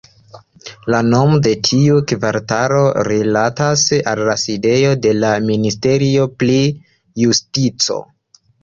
La nomo de tiu kvartalo rilatas al la sidejo de la Ministerio pri Justico.